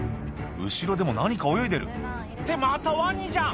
後ろでも何か泳いでるってまたワニじゃん！